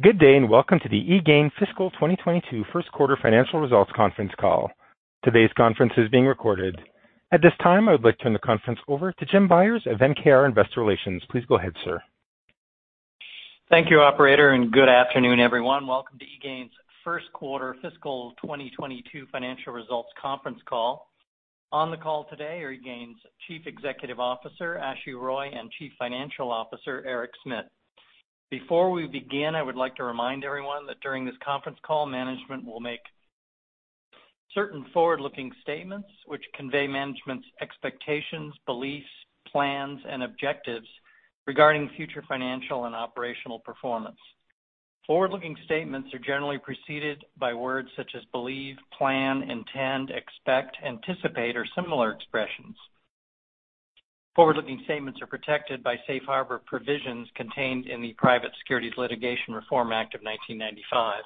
Good day, and welcome to the eGain Fiscal 2022 Q1 Financial Results Conference Call. Today's conference is being recorded. At this time, I would like to turn the conference over to Jim Byers of MKR Investor Relations. Please go ahead, sir. Thank you, operator, and good afternoon, everyone. Welcome to eGain's Q1 fiscal 2022 financial results conference call. On the call today are eGain's Chief Executive Officer, Ashu Roy, and Chief Financial Officer, Eric Smit. Before we begin, I would like to remind everyone that during this conference call, management will make certain forward-looking statements which convey management's expectations, beliefs, plans, and objectives regarding future financial and operational performance. Forward-looking statements are generally preceded by words such as believe, plan, intend, expect, anticipate, or similar expressions. Forward-looking statements are protected by safe harbor provisions contained in the Private Securities Litigation Reform Act of 1995,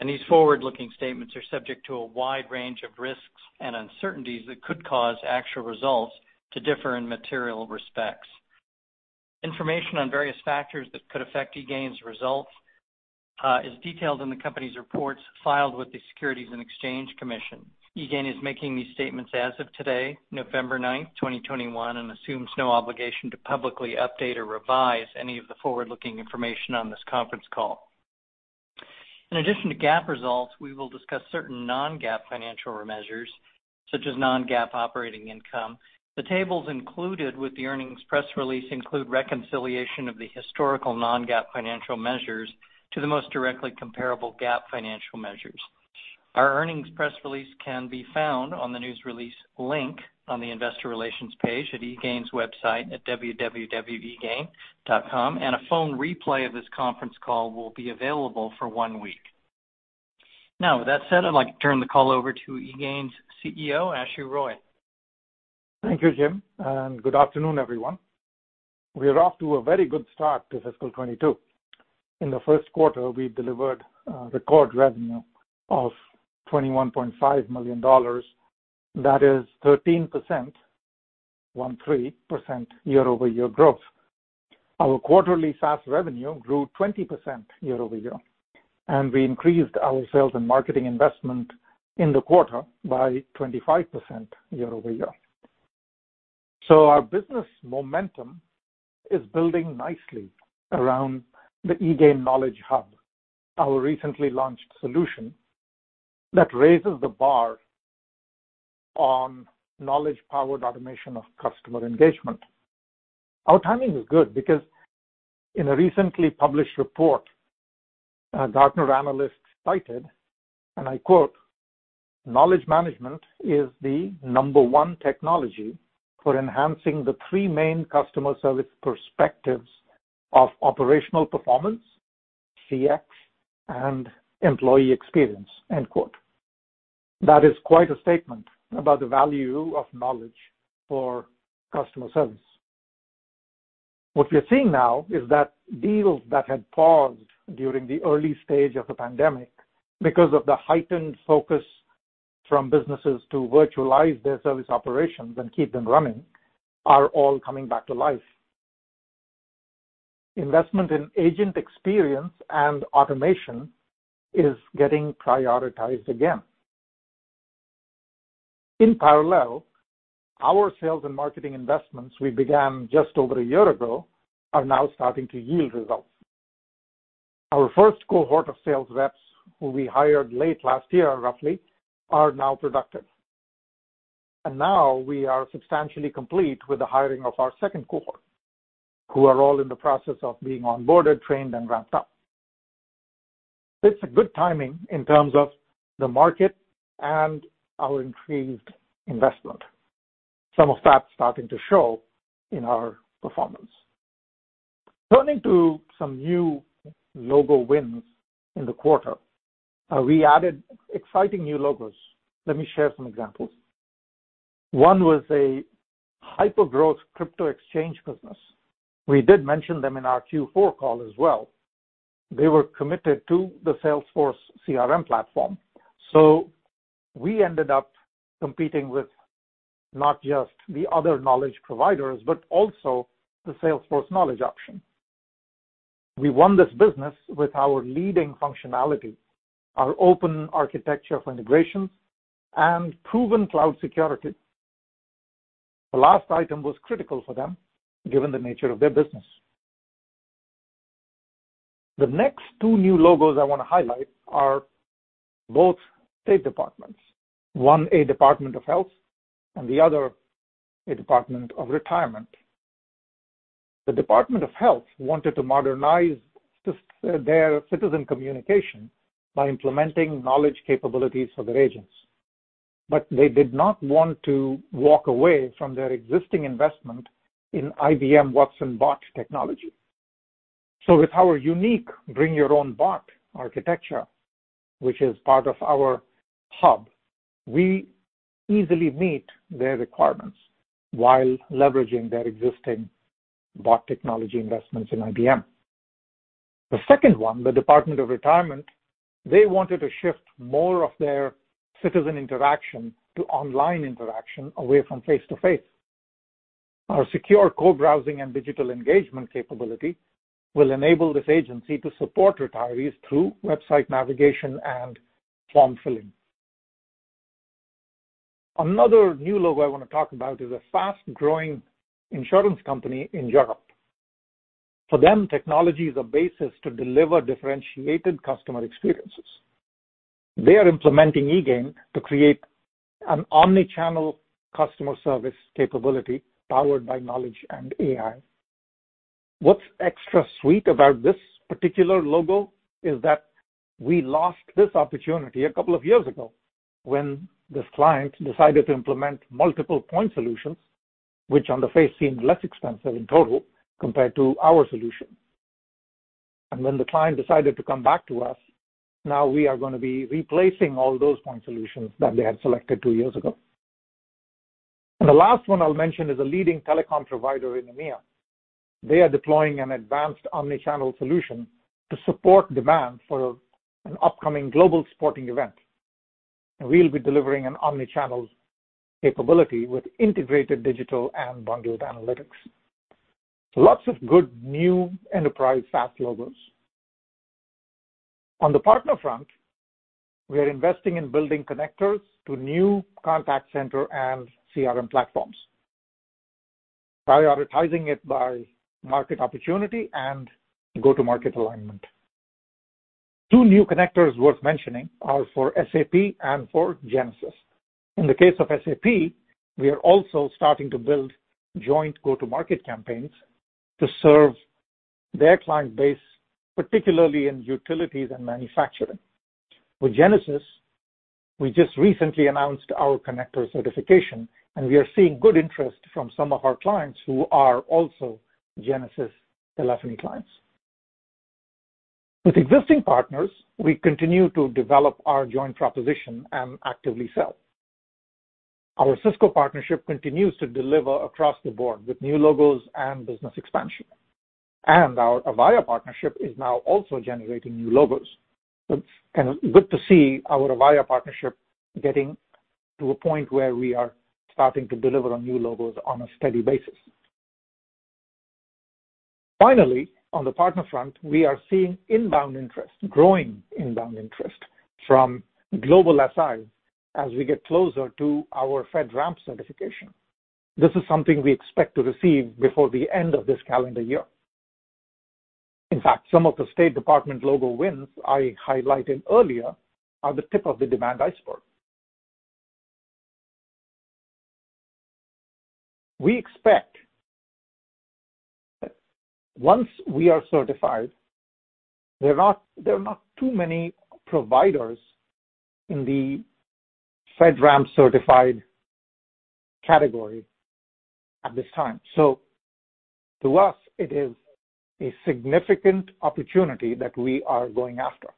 and these forward-looking statements are subject to a wide range of risks and uncertainties that could cause actual results to differ in material respects. Information on various factors that could affect eGain's results is detailed in the company's reports filed with the Securities and Exchange Commission. eGain is making these statements as of today, November ninth, 2021, and assumes no obligation to publicly update or revise any of the forward-looking information on this conference call. In addition to GAAP results, we will discuss certain non-GAAP financial measures, such as non-GAAP operating income. The tables included with the earnings press release include reconciliation of the historical non-GAAP financial measures to the most directly comparable GAAP financial measures. Our earnings press release can be found on the news release link on the investor relations page at eGain's website at www.egain.com, and a phone replay of this conference call will be available for one week. Now, with that said, I'd like to turn the call over to eGain's CEO, Ashu Roy. Thank you, Jim, and good afternoon, everyone. We are off to a very good start to fiscal 2022. In the Q1, we delivered record revenue of $21.5 million. That is 13% year-over-year growth. Our quarterly SaaS revenue grew 20% year-over-year, and we increased our sales and marketing investment in the quarter by 25% year-over-year. Our business momentum is building nicely around the eGain Knowledge Hub, our recently launched solution that raises the bar on knowledge-powered automation of customer engagement. Our timing is good because in a recently published report, a Gartner analyst cited, and I quote, "Knowledge management is the number one technology for enhancing the three main customer service perspectives of operational performance, CX, and employee experience." End quote. That is quite a statement about the value of knowledge for customer service. What we are seeing now is that deals that had paused during the early stage of the pandemic because of the heightened focus from businesses to virtualize their service operations and keep them running are all coming back to life. Investment in agent experience and automation is getting prioritized again. In parallel, our sales and marketing investments we began just over a year ago are now starting to yield results. Our first cohort of sales reps, who we hired late last year roughly, are now productive. Now we are substantially complete with the hiring of our second cohort, who are all in the process of being onboarded, trained, and ramped up. It's a good timing in terms of the market and our increased investment. Some of that's starting to show in our performance. Turning to some new logo wins in the quarter. We added exciting new logos. Let me share some examples. One was a hypergrowth crypto exchange business. We did mention them in our Q4 call as well. They were committed to the Salesforce CRM platform. We ended up competing with not just the other knowledge providers, but also the Salesforce knowledge option. We won this business with our leading functionality, our open architecture for integrations, and proven cloud security. The last item was critical for them, given the nature of their business. The next two new logos I want to highlight are both state departments. One, a department of health, and the other a department of retirement. The Department of Health wanted to modernize their citizen communication by implementing knowledge capabilities for their agents. They did not want to walk away from their existing investment in IBM Watson bot technology. With our unique Bring Your Own Bot architecture, which is part of our hub, we easily meet their requirements while leveraging their existing bot technology investments in IBM. The second one, the Department of Retirement, they wanted to shift more of their citizen interaction to online interaction away from face-to-face. Our secure co-browsing and digital engagement capability will enable this agency to support retirees through website navigation and form filling. Another new logo I want to talk about is a fast-growing insurance company in Europe. For them, technology is a basis to deliver differentiated customer experiences. They are implementing eGain to create an omni-channel customer service capability powered by knowledge and AI. What's extra sweet about this particular logo is that we lost this opportunity a couple of years ago when this client decided to implement multiple point solutions, which on the face seemed less expensive in total compared to our solution. When the client decided to come back to us, now we are gonna be replacing all those point solutions that they had selected two years ago. The last one I'll mention is a leading telecom provider in EMEA. They are deploying an advanced omni-channel solution to support demand for an upcoming global sporting event. We'll be delivering an omni-channel capability with integrated digital and bundled analytics. Lots of good new enterprise SaaS logos. On the partner front, we are investing in building connectors to new contact center and CRM platforms, prioritizing it by market opportunity and go-to-market alignment. Two new connectors worth mentioning are for SAP and for Genesys. In the case of SAP, we are also starting to build joint go-to-market campaigns to serve their client base, particularly in utilities and manufacturing. With Genesys, we just recently announced our connector certification, and we are seeing good interest from some of our clients who are also Genesys telephony clients. With existing partners, we continue to develop our joint proposition and actively sell. Our Cisco partnership continues to deliver across the board with new logos and business expansion. Our Avaya partnership is now also generating new logos. It's kind of good to see our Avaya partnership getting to a point where we are starting to deliver on new logos on a steady basis. Finally, on the partner front, we are seeing inbound interest, growing inbound interest from global SI as we get closer to our FedRAMP certification. This is something we expect to receive before the end of this calendar year. In fact, some of the State Department logo wins I highlighted earlier are the tip of the demand iceberg. We expect that once we are certified, there are not too many providers in the FedRAMP certified category at this time. To us, it is a significant opportunity that we are going after.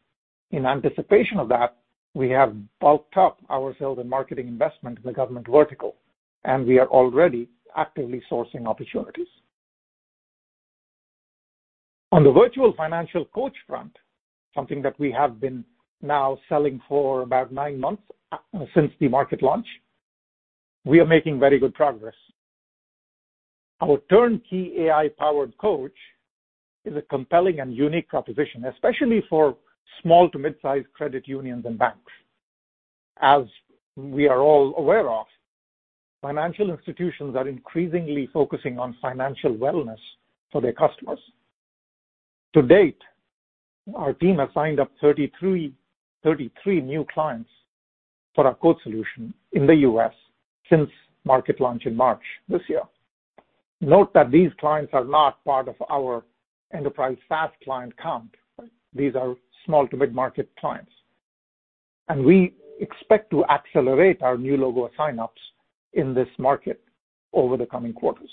In anticipation of that, we have bulked up our sales and marketing investment in the government vertical, and we are already actively sourcing opportunities. On the Virtual Financial Coach front, something that we have been now selling for about nine months since the market launch, we are making very good progress. Our turnkey AI-powered coach is a compelling and unique proposition, especially for small to mid-size credit unions and banks. As we are all aware of, financial institutions are increasingly focusing on financial wellness for their customers. To date, our team has signed up 33 new clients for our coach solution in the U.S. since market launch in March this year. Note that these clients are not part of our enterprise SaaS client count. These are small to mid-market clients. We expect to accelerate our new logo sign-ups in this market over the coming quarters.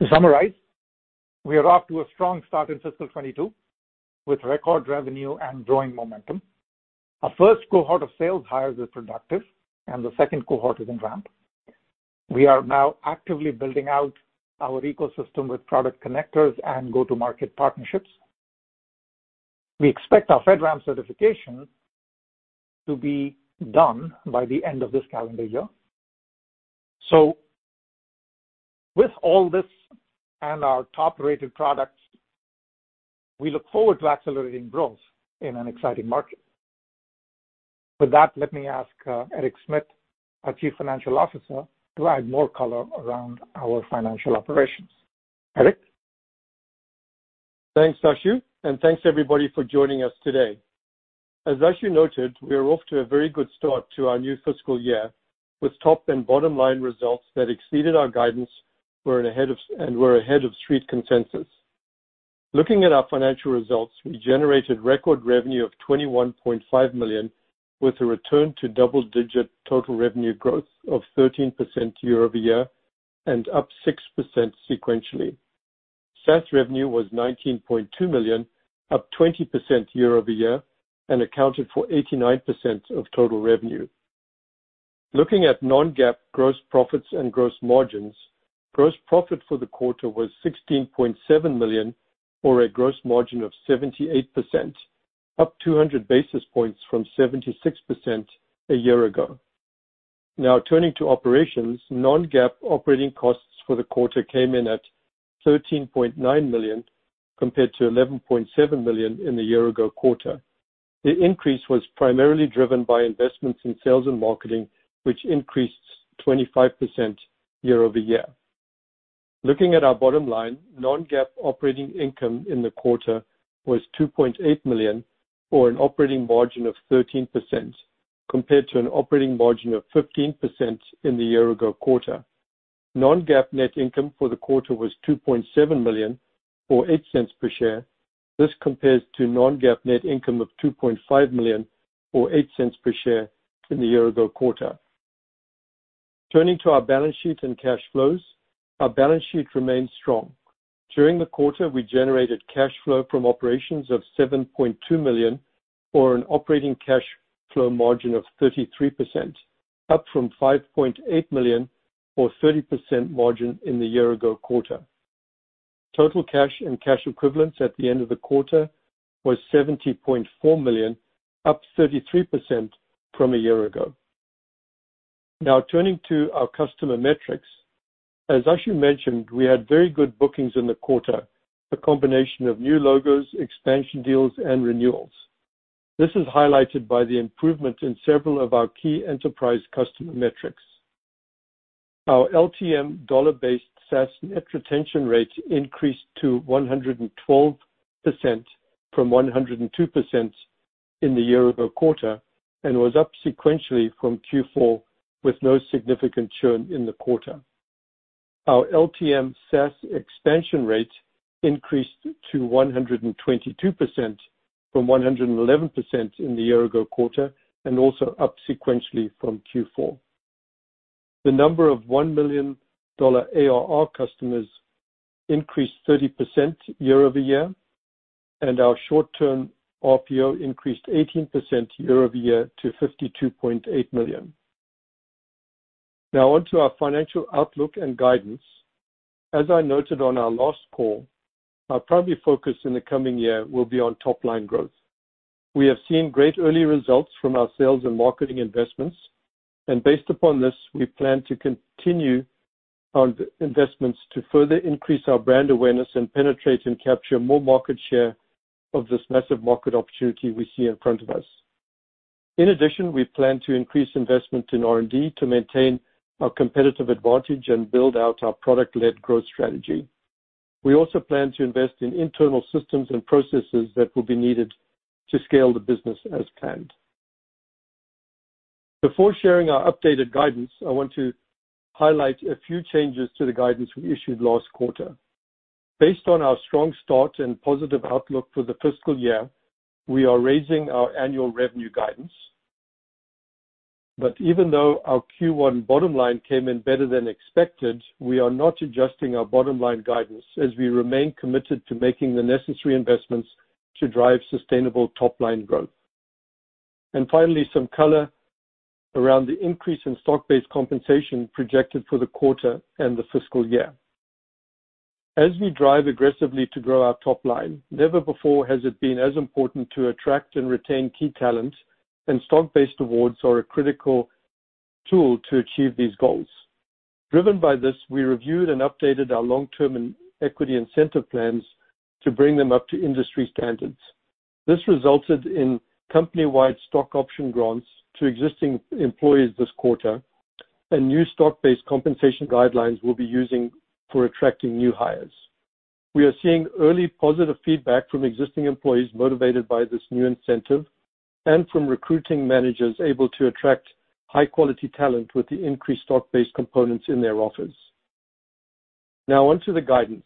To summarize, we are off to a strong start in fiscal 2022 with record revenue and growing momentum. Our first cohort of sales hires is productive and the second cohort is in ramp. We are now actively building out our ecosystem with product connectors and go-to-market partnerships. We expect our FedRAMP certification to be done by the end of this calendar year. With all this and our top-rated products, we look forward to accelerating growth in an exciting market. With that, let me ask, Eric Smit, our Chief Financial Officer, to add more color around our financial operations. Eric? Thanks, Ashu, and thanks everybody for joining us today. As Ashu noted, we are off to a very good start to our new fiscal year with top and bottom line results that exceeded our guidance. We're ahead of street consensus. Looking at our financial results, we generated record revenue of $21.5 million, with a return to double-digit total revenue growth of 13% year over year and up 6% sequentially. SaaS revenue was $19.2 million, up 20% year over year, and accounted for 89% of total revenue. Looking at non-GAAP gross profits and gross margins, gross profit for the quarter was $16.7 million or a gross margin of 78%. Up 200 basis points from 76% a year ago. Now turning to operations. Non-GAAP operating costs for the quarter came in at $13.9 million, compared to $11.7 million in the year ago quarter. The increase was primarily driven by investments in sales and marketing, which increased 25% year-over-year. Looking at our bottom line, non-GAAP operating income in the quarter was $2.8 million or an operating margin of 13% compared to an operating margin of 15% in the year ago quarter. Non-GAAP net income for the quarter was $2.7 million or $0.08 per share. This compares to non-GAAP net income of $2.5 million or $0.08 per share in the year ago quarter. Turning to our balance sheet and cash flows. Our balance sheet remains strong. During the quarter, we generated cash flow from operations of $7.2 million, or an operating cash flow margin of 33%, up from $5.8 million or 30% margin in the year ago quarter. Total cash and cash equivalents at the end of the quarter was $70.4 million, up 33% from a year ago. Now turning to our customer metrics. As Ashu Roy mentioned, we had very good bookings in the quarter, a combination of new logos, expansion deals and renewals. This is highlighted by the improvement in several of our key enterprise customer metrics. Our LTM dollar-based SaaS net retention rate increased to 112% from 102% in the year ago quarter, and was up sequentially from Q4 with no significant churn in the quarter. Our LTM SaaS expansion rate increased to 122% from 111% in the year ago quarter, and also up sequentially from Q4. The number of $1 million ARR customers increased 30% year-over-year, and our short term RPO increased 18% year-over-year to $52.8 million. Now on to our financial outlook and guidance. As I noted on our last call, our primary focus in the coming year will be on top line growth. We have seen great early results from our sales and marketing investments and based upon this, we plan to continue our investments to further increase our brand awareness and penetrate and capture more market share of this massive market opportunity we see in front of us. In addition, we plan to increase investment in R&D to maintain our competitive advantage and build out our product led growth strategy. We also plan to invest in internal systems and processes that will be needed to scale the business as planned. Before sharing our updated guidance, I want to highlight a few changes to the guidance we issued last quarter. Based on our strong start and positive outlook for the fiscal year, we are raising our annual revenue guidance. Even though our Q1 bottom line came in better than expected, we are not adjusting our bottom line guidance as we remain committed to making the necessary investments to drive sustainable top line growth. Finally, some color around the increase in stock-based compensation projected for the quarter and the fiscal year. As we drive aggressively to grow our top line, never before has it been as important to attract and retain key talent, and stock-based awards are a critical tool to achieve these goals. Driven by this, we reviewed and updated our long-term equity incentive plans to bring them up to industry standards. This resulted in company-wide stock option grants to existing employees this quarter and new stock-based compensation guidelines we'll be using for attracting new hires. We are seeing early positive feedback from existing employees motivated by this new incentive and from recruiting managers able to attract high-quality talent with the increased stock-based components in their offers. Now on to the guidance.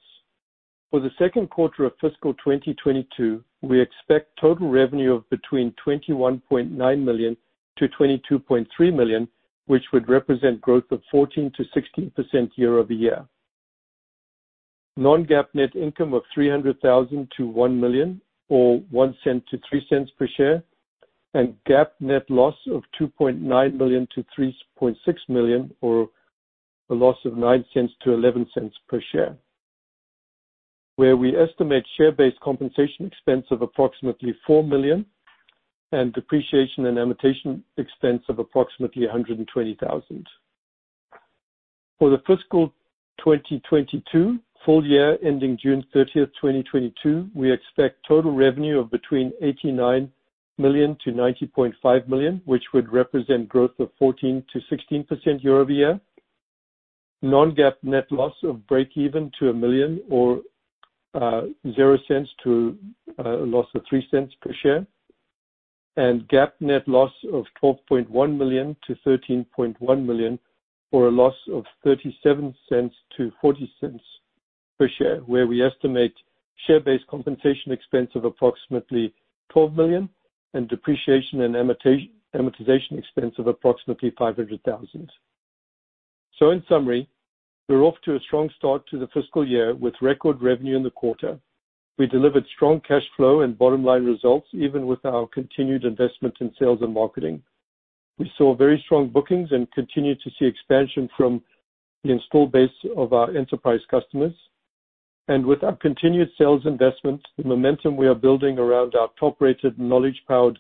For the Q2 of fiscal 2022, we expect total revenue of between $21.9 million-$22.3 million, which would represent growth of 14%-16% year-over-year. Non-GAAP net income of $300,000-$1 million or $0.01-$0.03 per share, and GAAP net loss of $2.9 million-$3.6 million, or a loss of $0.09-$0.11 per share, where we estimate share-based compensation expense of approximately $4 million and depreciation and amortization expense of approximately $120,000. For the fiscal 2022 full year ending June 30, 2022, we expect total revenue of between $89 million-$90.5 million, which would represent growth of 14%-16% year-over-year. Non-GAAP net loss of breakeven to $1 million or zero cents to a loss of three cents per share. GAAP net loss of $12.1 million-$13.1 million, or a loss of $0.37-$0.40 per share, where we estimate share-based compensation expense of approximately $12 million and depreciation and amortization expense of approximately $500,000. In summary, we're off to a strong start to the fiscal year with record revenue in the quarter. We delivered strong cash flow and bottom line results even with our continued investment in sales and marketing. We saw very strong bookings and continued to see expansion from the install base of our enterprise customers. With our continued sales investments, the momentum we are building around our top-rated knowledge-powered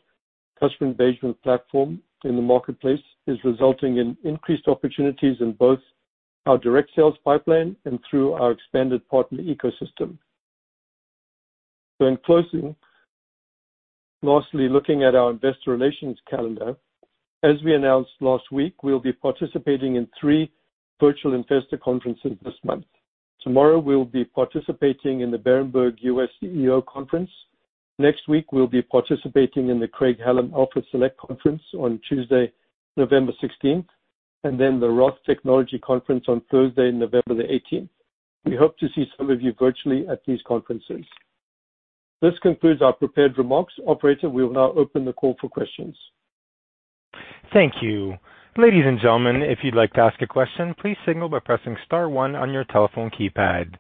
customer engagement platform in the marketplace is resulting in increased opportunities in both our direct sales pipeline and through our expanded partner ecosystem. In closing, lastly, looking at our investor relations calendar, as we announced last week, we will be participating in three virtual investor conferences this month. Tomorrow, we will be participating in the Berenberg US CEO Conference. Next week, we'll be participating in the Craig-Hallum Alpha Select Conference on Tuesday, November sixteenth, and then the Roth Technology Conference on Thursday, November the eighteenth. We hope to see some of you virtually at these conferences. This concludes our prepared remarks. Operator, we will now open the call for questions. Thank you. Ladies and gentlemen, if you'd like to ask a question, please signal by pressing star one on your telephone keypad.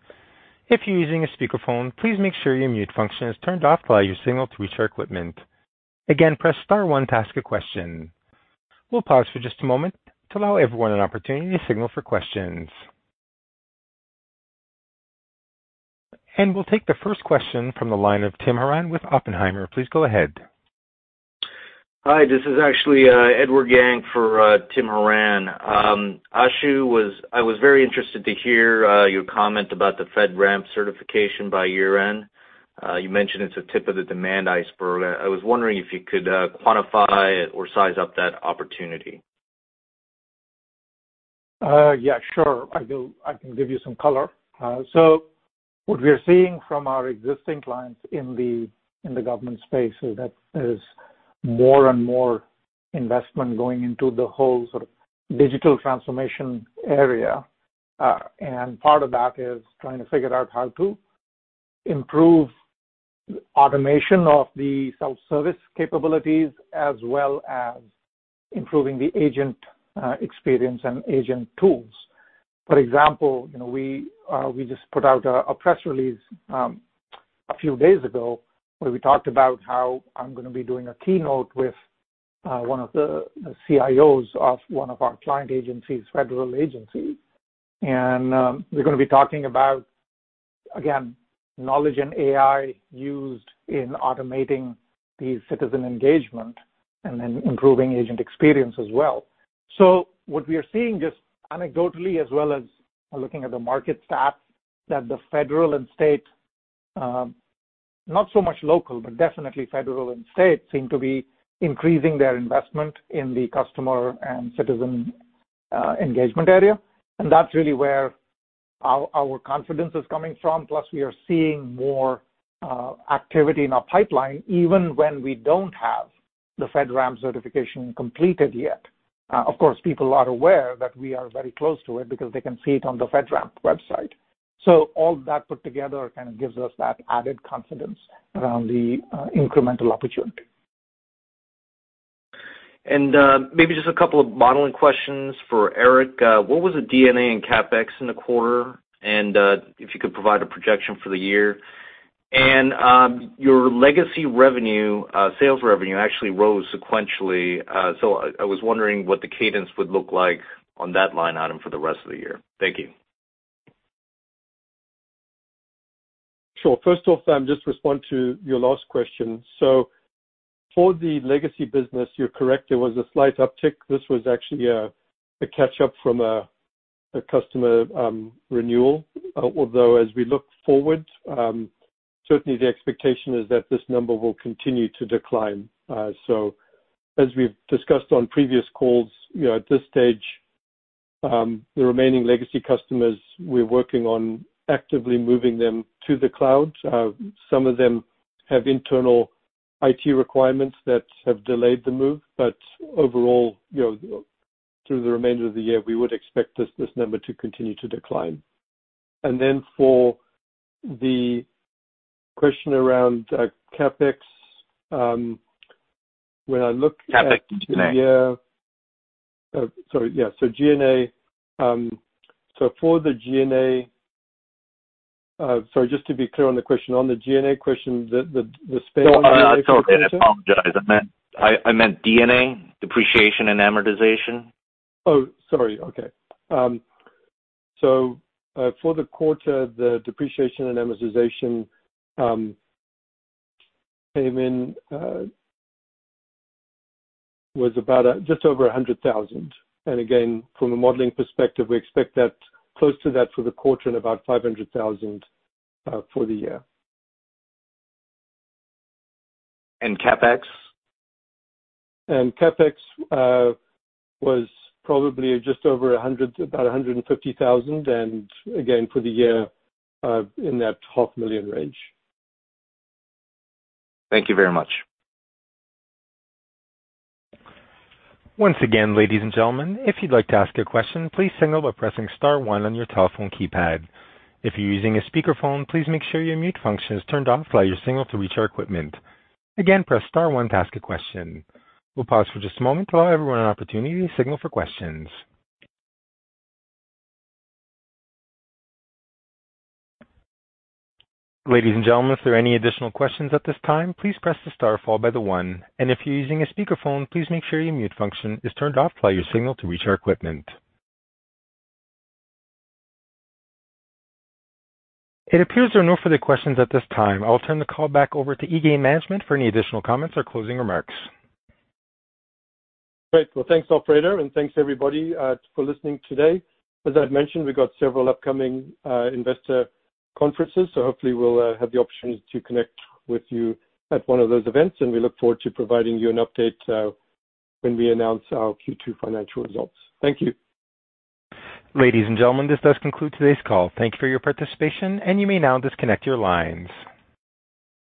If you're using a speakerphone, please make sure your mute function is turned off to allow your signal to reach our equipment. Again, press star one to ask a question. We'll pause for just a moment to allow everyone an opportunity to signal for questions. We'll take the first question from the line of Tim Horan with Oppenheimer. Please go ahead. Hi, this is actually Edward Yang for Tim Horan. I was very interested to hear your comment about the FedRAMP certification by year-end. You mentioned it's a tip of the demand iceberg. I was wondering if you could quantify or size up that opportunity. Yeah, sure. I can give you some color. What we are seeing from our existing clients in the government space is that there's more and more investment going into the whole sort of digital transformation area. Part of that is trying to figure out how to improve automation of the self-service capabilities as well as improving the agent experience and agent tools. For example, you know, we just put out a press release a few days ago, where we talked about how I'm gonna be doing a keynote with one of the CIOs of one of our client agencies, federal agencies. We're gonna be talking about, again, knowledge and AI used in automating the citizen engagement and then improving agent experience as well. What we are seeing just anecdotally as well as looking at the market stats, that the federal and state, not so much local, but definitely federal and state seem to be increasing their investment in the customer and citizen engagement area. That's really where our confidence is coming from. Plus, we are seeing more activity in our pipeline even when we don't have the FedRAMP certification completed yet. Of course, people are aware that we are very close to it because they can see it on the FedRAMP website. All that put together kind of gives us that added confidence around the incremental opportunity. Maybe just a couple of modeling questions for Eric. What was the D&A and CapEx in the quarter? If you could provide a projection for the year. Your legacy revenue, sales revenue actually rose sequentially. I was wondering what the cadence would look like on that line item for the rest of the year. Thank you. Sure. First off, I'll just respond to your last question. For the legacy business, you're correct, there was a slight uptick. This was actually a catch-up from a customer renewal. Although as we look forward, certainly the expectation is that this number will continue to decline. As we've discussed on previous calls, you know, at this stage, the remaining legacy customers, we're working on actively moving them to the cloud. Some of them have internal IT requirements that have delayed the move, but overall, you know, through the remainder of the year, we would expect this number to continue to decline. For the question around CapEx, when I look at the year CapEx G&A. Sorry, yeah. G&A. For the G&A, sorry, just to be clear on the question, on the G&A question, the spend Oh, no, it's all good. I apologize. I meant D&A, depreciation and amortization. Oh, sorry. Okay. For the quarter, the depreciation and amortization came in, was about just over $100,000. Again, from a modeling perspective, we expect that close to that for the quarter and about $500,000 for the year. CapEx? CapEx was probably just over $100,000, about $150,000. Again, for the year, in that $500,000 range. Thank you very much. Once again, ladies and gentlemen, if you'd like to ask a question, please signal by pressing star one on your telephone keypad. If you're using a speakerphone, please make sure your mute function is turned off to allow your signal to reach our equipment. Again, press star one to ask a question. We'll pause for just a moment to allow everyone an opportunity to signal for questions. Ladies and gentlemen, if there are any additional questions at this time, please press the star followed by the one. If you're using a speakerphone, please make sure your mute function is turned off to allow your signal to reach our equipment. It appears there are no further questions at this time. I'll turn the call back over to eGain management for any additional comments or closing remarks. Great. Well, thanks, operator, and thanks everybody for listening today. As I've mentioned, we've got several upcoming investor conferences, so hopefully we'll have the opportunity to connect with you at one of those events, and we look forward to providing you an update when we announce our Q2 financial results. Thank you. Ladies and gentlemen, this does conclude today's call. Thank you for your participation, and you may now disconnect your lines.